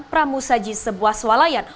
pramu saji sebuah swalayan